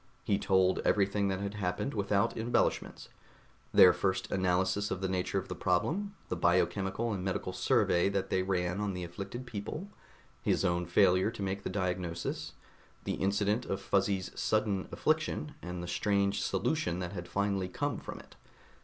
He told everything that had happened without embellishments: their first analysis of the nature of the problem, the biochemical and medical survey that they ran on the afflicted people, his own failure to make the diagnosis, the incident of Fuzzy's sudden affliction, and the strange solution that had finally come from it.